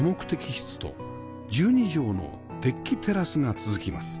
室と１２畳のデッキテラスが続きます